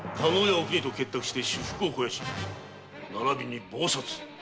お邦と結託して私腹を肥やしならびに謀殺！